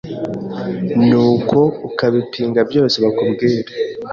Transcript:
nuko ukabipinga byose bakubwira